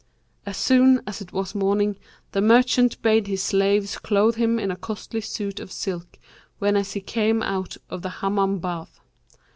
As soon as it was morning, the merchant bade his slaves clothe him in a costly suit of silk whenas he came out of the Hammam Bath.